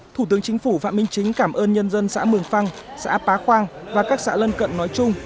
thủ tướng chính phủ phạm minh chính cảm ơn nhân dân xã mường phăng xã pá khoang và các xã lân cận nói chung